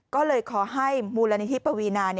ก็เลยขอให้มูลนิธิปวีนา